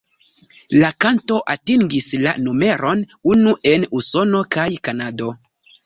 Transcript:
La kanto atingis la numeron unu en Usono kaj Kanado.